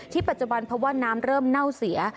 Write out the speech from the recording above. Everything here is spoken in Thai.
ปัจจุบันเพราะว่าน้ำเริ่มเน่าเสีย